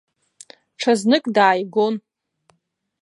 Ҽазнык дааигон.